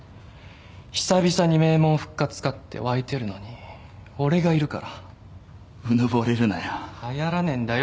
久々に名門復活かって沸いてるのに俺がいるからうぬぼれるなよはやらねえんだよ